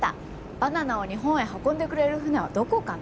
バナナを日本へ運んでくれる船はどこかな？